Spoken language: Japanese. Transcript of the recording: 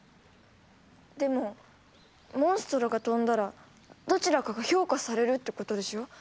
でもモンストロが飛んだらどちらかが評価されるってことでしょ？